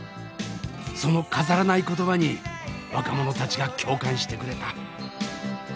その飾らない言葉に若者たちが共感してくれた。